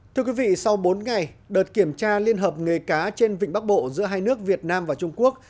thưa quý vị sau bốn ngày đợt kiểm tra liên hợp nghề cá trên vịnh bắc bộ giữa hai nước việt nam và trung quốc